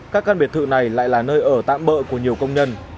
các căn biệt thự này lại là nơi ở tạm bỡ của nhiều công nhân